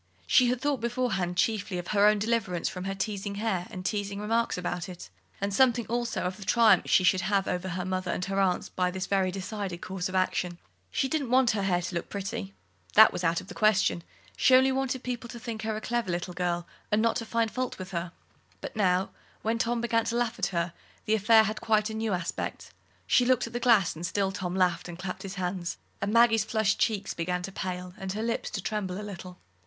She had thought beforehand chiefly of her own deliverance from her teasing hair and teasing remarks about it, and something also of the triumph she should have over her mother and her aunts by this very decided course of action. She didn't want her hair to look pretty that was out of the question she only wanted people to think her a clever little girl and not to find fault with her. But now, when Tom began to laugh at her, the affair had quite a new aspect. She looked in the glass, and still Tom laughed and clapped his hands, and Maggie's flushed cheeks began to pale, and her lips to tremble a little.